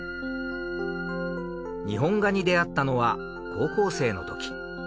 日本画に出会ったのは高校生のとき。